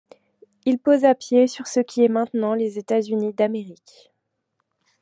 Il posa pied sur ce qui est maintenant les États-Unis d'Amérique.